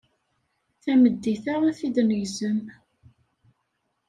Tameddit-a ad t-id-negzem.